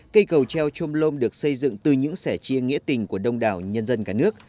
cây cầu treo chôm lôm được xây dựng từ những sẻ chia nghĩa tình của đông đảo nhân dân cả nước